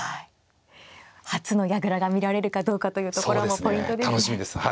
初の矢倉が見られるかどうかというところもポイントですね。